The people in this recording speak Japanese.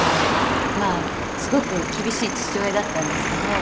すごく厳しい父親だったんですけど。